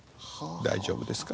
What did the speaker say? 大丈夫ですか？」